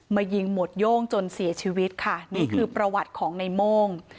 ยิงหมวดโย่งจนเสียชีวิตค่ะนี่คือประวัติของในโม่ง